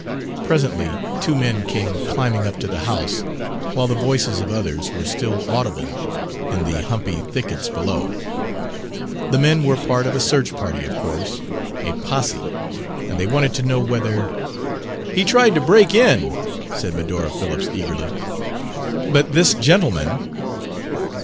Presently two men came climbing up to the house, while the voices of others were still audible in the humpy thickets below. The men were part of a search party, of course, a posse; and they wanted to know whether.... "He tried to break in," said Medora Phillips eagerly; "but this gentleman...."